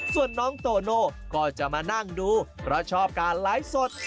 ส่วนน้องโตโน่ก็จะมานั่งดูเพราะชอบการไลฟ์สด